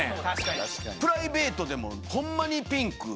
プライベートでもホンマにピンク着てはるから。